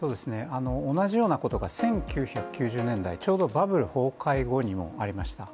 同じようなことが１９９０年代、ちょうどバブル崩壊後にもありました。